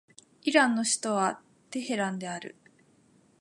イランの首都はテヘランである